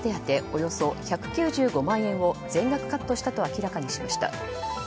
およそ１９５万円を全額カットしたと明らかにしました。